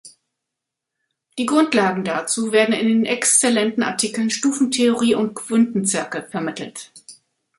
Die Grundlagen dazu werden in den exzellenten Artikeln Stufentheorie und Quintenzirkel vermittelt.